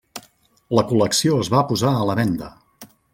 La col·lecció es va posar a la venda.